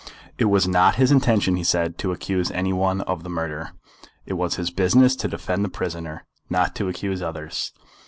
It was not his intention, he said, to accuse any one of the murder. It was his business to defend the prisoner, not to accuse others.